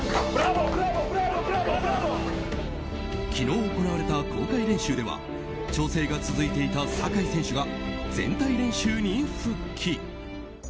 昨日行われた公開練習では調整が続いていた酒井選手が全体練習に復帰。